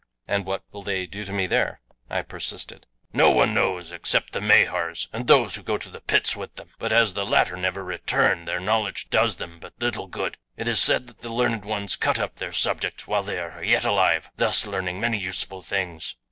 "And what will they do with me there?" I persisted. "No one knows except the Mahars and those who go to the pits with them, but as the latter never return, their knowledge does them but little good. It is said that the learned ones cut up their subjects while they are yet alive, thus learning many useful things.